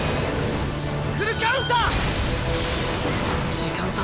時間差。